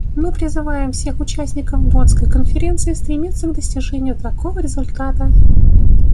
Мы призываем всех участников Боннской конференции стремиться к достижению такого результата.